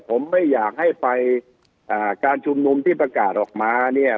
ผมไม่อยากให้ไปอ่าการชุมนุมที่ประกาศออกมาเนี่ย